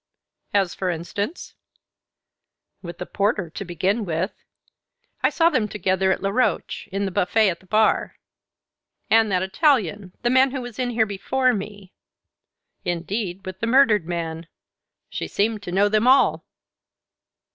"As for instance ?" "With the porter to begin with. I saw them together at Laroche, in the buffet at the bar; and that Italian, the man who was in here before me; indeed, with the murdered man. She seemed to know them all."